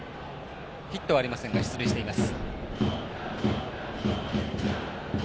ヒットはありませんが出塁しています。